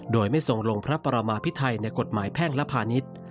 โดยไม่ทรงลงพระปรมาพิไทยในกฎหมายแพ่งและพาณิชย์